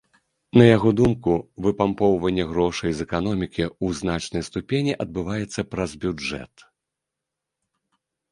На яго думку, выпампоўванне грошай з эканомікі ў значнай ступені адбываецца праз бюджэт.